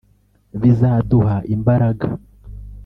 bizaduha imbaraga